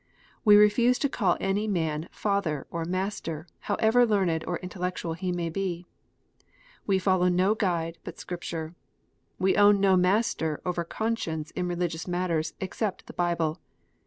"Wo refuse to call any man " father " or " master," however learned or intellectual he may be. "We will follow no guide but Scripture. We own no master over conscience in religious matters, except the Bible.